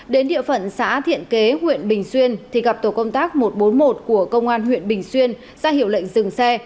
đến địa phận xã thiện kế huyện bình xuyên thì gặp tổ công tác một trăm bốn mươi một của công an huyện bình xuyên ra hiệu lệnh dừng xe